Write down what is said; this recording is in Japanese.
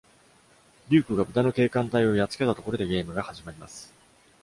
デュークがブタの警官隊をやっつけたところでゲームが始まります。